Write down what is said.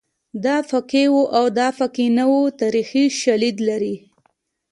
دا پکې وو او دا پکې نه وو تاریخي شالید لري